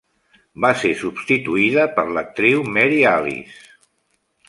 Va ser substituïda per l'actriu Mary Alice.